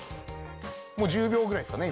もう１０秒ぐらいですかね